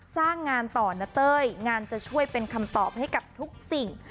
สร้างงานต่อนะเต้ยงานจะช่วยเป็นคำตอบให้กับทุกสิ่ง